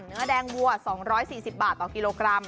เนื้อแดงวัว๒๔๐บาทต่อกิโลกรัม